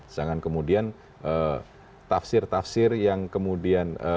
jangan kemudian tafsir tafsir yang kemudian